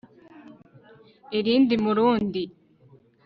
irindi mu rundi